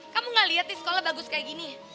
kamu gak lihat nih sekolah bagus kayak gini